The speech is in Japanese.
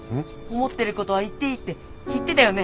思ってることは言っていいって言ってたよね。